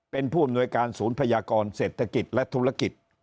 เป็นผู้อำนวยการศูนย์พยากรเศรษฐกิจและธุรกิจ